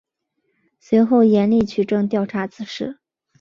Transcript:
随后严厉取证调查此事。